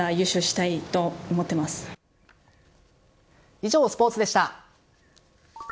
以上、スポーツでした。